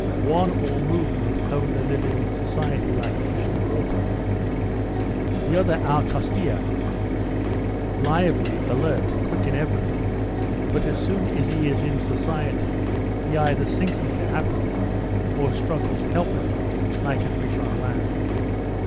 "One all movement, only living in society, like a fish in water; the other our Kostya, lively, alert, quick in everything, but as soon as he is in society, he either sinks into apathy, or struggles helplessly like a fish on land."